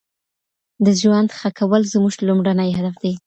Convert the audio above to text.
د ژوند ښه کول زموږ لومړنی هدف دی.